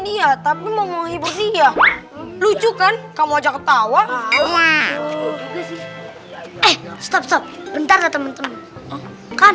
dia tapi mau mau hipotia lucu kan kamu ajak ketawa eh stop stop bentar temen temen kan